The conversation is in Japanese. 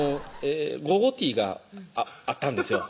午後ティーがあったんですよ